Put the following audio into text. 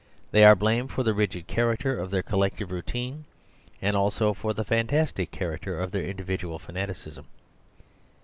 They are blamed for the rigid character of their col lective routine ; and also for the fantastic char acter of their individual fanaticism.